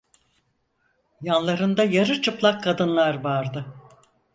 Yanlarında yarı çıplak kadınlar vardı.